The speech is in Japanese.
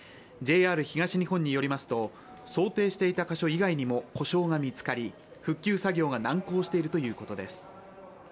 ＪＲ東日本によりますと想定していた箇所以外にも故障が見つかり復旧作業が難航しているということです。